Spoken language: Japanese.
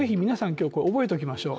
今日、これ覚えておきましょう。